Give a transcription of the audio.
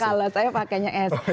kalau saya pakainya s